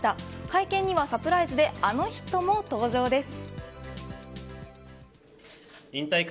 会見にはサプライズであの人も登場です。